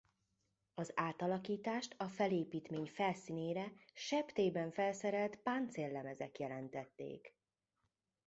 Az átalakítást a felépítmény felszínére sebtében felszerelt páncéllemezek jelentették.